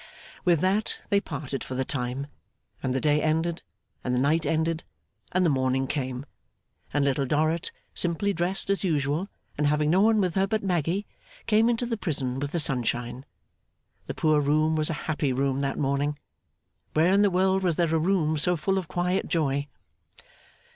With that they parted for the time. And the day ended, and the night ended, and the morning came, and Little Dorrit, simply dressed as usual and having no one with her but Maggy, came into the prison with the sunshine. The poor room was a happy room that morning. Where in the world was there a room so full of quiet joy!